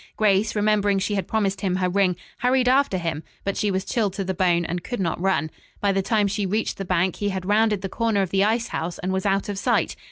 Grace, remembering she had promised him her ring, hurried after him, but she was chilled to the bone and could not run. By the time she reached the bank he had rounded the corner of the ice house and was out of sight.